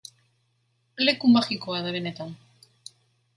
Leku magikoa da benetan.